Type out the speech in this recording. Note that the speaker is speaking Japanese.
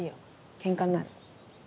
ケンカになる。